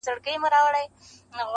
کله رېږدم له یخنیه کله سوځم له ګرمیه-